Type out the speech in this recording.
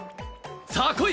さあ来い！